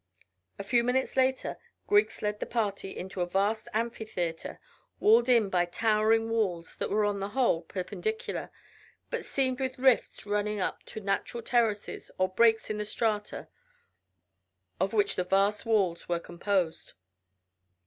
A few minutes later Griggs led the party into a vast amphitheatre walled in by towering walls that were on the whole perpendicular, but seamed with rifts running up to natural terraces or breaks in the strata of which the vast walls were composed.